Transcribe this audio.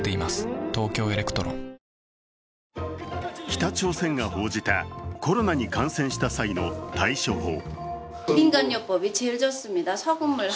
北朝鮮が報じたコロナに感染した際の対処法。